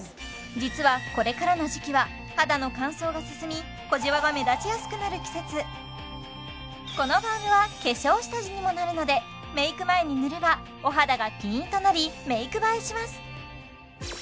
実はこれからの時期は肌の乾燥が進み小じわが目立ちやすくなる季節このバームは化粧下地にもなるのでメイク前に塗ればお肌がピーンとなりメイク映えします